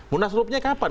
munas rupanya kapan